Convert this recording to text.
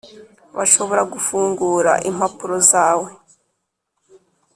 Bashobora gufungura impapuro zawe